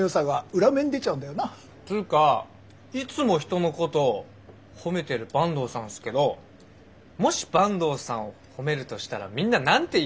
つうかいつも人のこと褒めてる坂東さんっすけどもし坂東さんを褒めるとしたらみんな何て言います？